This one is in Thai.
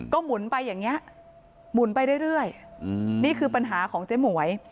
หมุนไปอย่างนี้หมุนไปเรื่อยนี่คือปัญหาของเจ๊หมวย